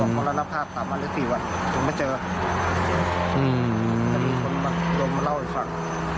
บอกมรณภาพตามมาเลี้ยงสี่วันถึงไม่เจออืมแต่มีคนมามาเล่าอีกครั้ง